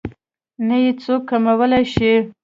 نه يې څوک کمولی شي.